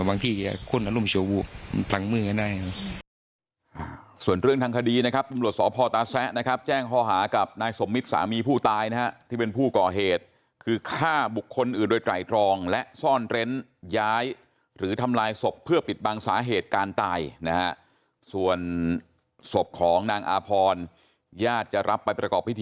บางที่คนอารมณ์ชววุมันพลังมือกันได้